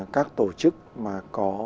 các tổ chức mà có